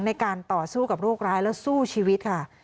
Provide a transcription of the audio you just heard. ในการต่อสู้กับโรคร้ายและสู้ชีวิตค่ะ